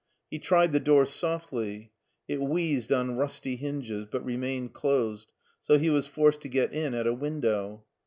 He tried the door softly; it wheezed on rusty hinges, but re mained closed, so he was forced to get in at a window.